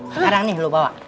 sekarang nih lu bawa